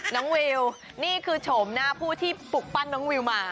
วิวนี่คือโฉมหน้าผู้ที่ปลุกปั้นน้องวิวมา